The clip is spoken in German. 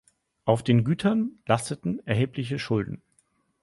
Auf den Gütern lasteten erhebliche Schulden.